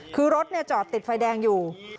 คือรถจอดติดไฟแดงอยู่